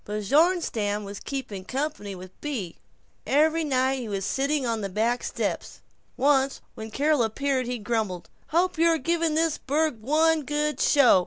Bjornstam was "keeping company" with Bea. Every night he was sitting on the back steps. Once when Carol appeared he grumbled, "Hope you're going to give this burg one good show.